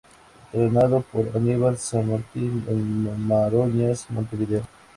Entrenado por Anibal San Martin en Maroñas, Montevideo.